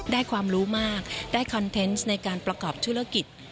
ความรู้มากได้คอนเทนต์ในการประกอบธุรกิจ